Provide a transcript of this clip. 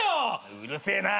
うるせえな！